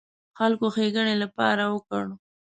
خلکو ښېګڼې لپاره وکړ.